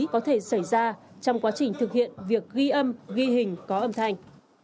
có thể xảy ra trong quá trình thực hiện việc ghi âm ghi hình có âm thanh